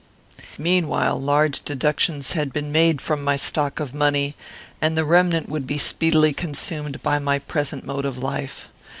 "Meanwhile large deductions had been made from my stock of money, and the remnant would be speedily consumed by my present mode of life.